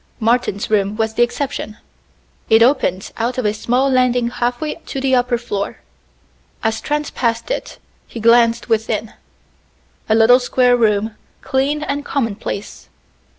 Martin's room was the exception: it opened out of a small landing halfway to the upper floor. As Trent passed it, he glanced within. A little square room, clean and commonplace.